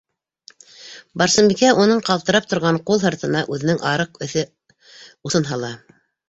Барсынбикә уның ҡалтырап торған ҡул һыртына үҙенең арыҡ эҫе усын һала: